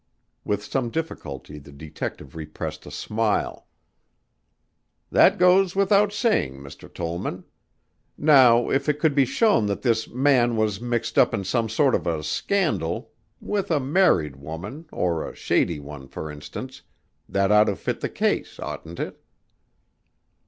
With some difficulty the detective repressed a smile. "That goes without saying, Mr. Tollman. Now if it could be shown that this man was mixed up in some sort of a scandal with a married woman, or a shady one, for instance that ought to fit the case, oughtn't it?"